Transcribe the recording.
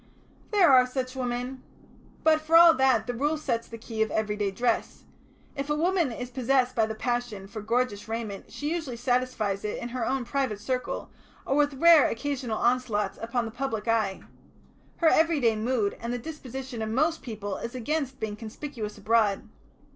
"There are such women. But for all that the Rule sets the key of everyday dress. If a woman is possessed by the passion for gorgeous raiment she usually satisfies it in her own private circle, or with rare occasional onslaughts upon the public eye. Her everyday mood and the disposition of most people is against being conspicuous abroad.